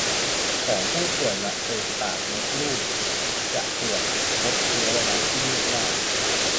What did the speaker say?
ของผู้ป่วยมะเร็งปากมดลูกจะตรวจพบเชื้อไวรัสที่เรียกว่า